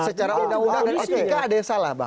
secara undang undang etika ada yang salah itu ya